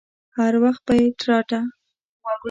هر وخت به يې تراټه.